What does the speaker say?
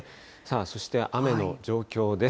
そして雨の状況です。